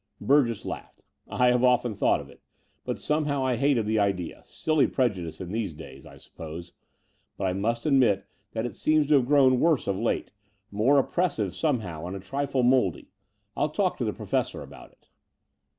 Burgess laughed. I have often thought of it, but somehow hated the idea — silly prejudice in these days, I suppose : but I must admit that it seems to have grown worse of late, more oppressive somehow and a trifle mouldy. I'll talk to the Professor about it."